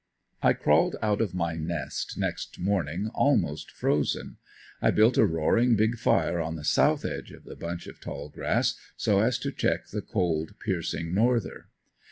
I crawled out of my nest next morning almost frozen. I built a roaring big fire on the south edge of the bunch of tall grass so as to check the cold piercing norther.